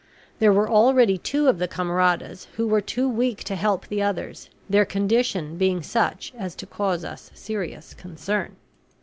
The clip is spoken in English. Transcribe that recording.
There were already two of the camaradas who were too weak to help the others, their condition being such as to cause us serious concern.